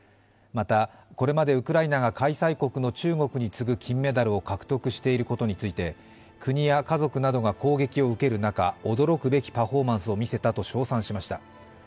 また、これまでウクライナが開催国の中国に次ぐ金メダルを獲得していることについて、国や家族などが攻撃を受ける中、驚くべきパフォーマンスを見せたと称賛しました。